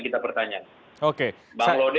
kita pertanya bang lode